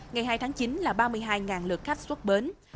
ngày hai tháng chín là ba mươi hai lượt khách xuất bến